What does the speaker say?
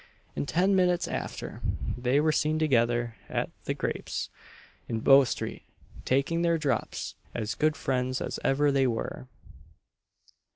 In ten minutes after, they were seen together at "The Grapes," in Bow street, taking their drops, as good friends as ever they were.